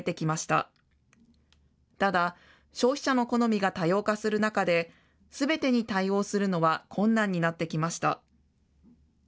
ただ、消費者の好みが多様化する中で、すべてに対応するのは困難になってきました。